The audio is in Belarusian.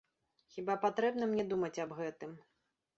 Хіба патрэбна мне думаць аб гэтым.